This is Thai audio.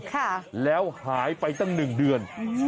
ค่ะแล้วหายไปตั้งหนึ่งเดือน